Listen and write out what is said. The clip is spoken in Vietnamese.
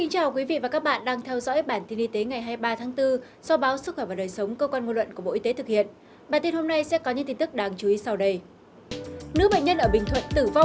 hãy đăng ký kênh để ủng hộ kênh của chúng mình nhé